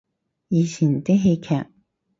以前啲戲劇